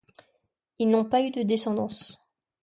Ils n'ont pas eu de descendance.